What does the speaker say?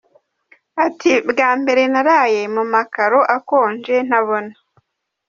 Ati “Bwa mbere naraye mu makaro akonje, ntabona.